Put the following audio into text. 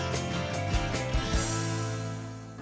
pembelajaran dari pemasoknya